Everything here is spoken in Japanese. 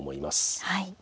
はい。